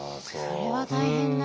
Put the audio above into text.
それは大変だ。